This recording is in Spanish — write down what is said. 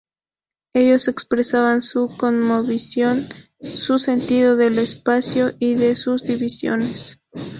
Ellos expresaban su cosmovisión, su sentido del espacio y de sus divisiones.